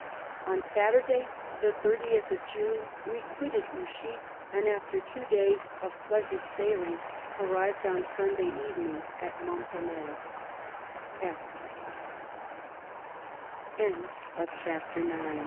On Saturday the 30th of June we quitted Ouchy, and after two days of pleasant sailing arrived on Sunday evening at Montalegre. LETTER IV.